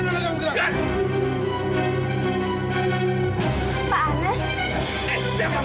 target kita sudah datang